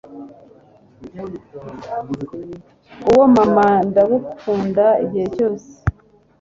Uwo mama Ndagukunda igihe cyose